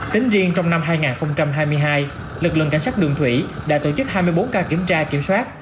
tính riêng trong năm hai nghìn hai mươi hai lực lượng cảnh sát đường thủy đã tổ chức hai mươi bốn ca kiểm tra kiểm soát